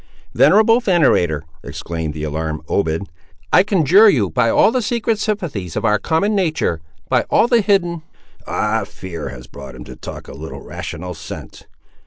"Venerable venator!" exclaimed the alarmed Obed; "I conjure you by all the secret sympathies of our common nature, by all the hidden—" "Ah, fear has brought him to talk a little rational sense!